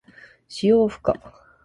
使用不可。